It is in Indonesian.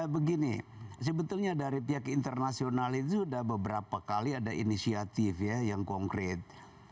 begini sebetulnya dari pihak internasional itu sudah beberapa kali ada inisiatif ya yang konkret